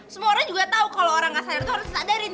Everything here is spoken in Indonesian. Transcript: semua orang juga tau kalau orang gak sadar itu harus disadarin